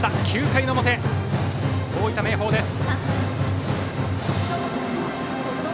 ９回の表、大分・明豊です。